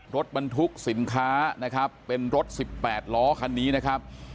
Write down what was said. รถบรรทุกสินค้านะครับเป็นรถสิบแปดล้อคันนี้นะครับ